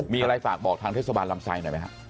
มีอะไรฝากบอกทางเทศบาลลำไซหน่อยไหมครับ